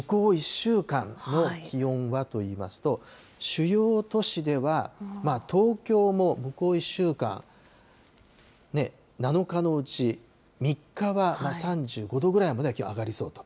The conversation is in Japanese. １週間の気温はといいますと、主要都市では、東京も向こう１週間、７日のうち３日は３５度ぐらいまでは気温が上がりそうと。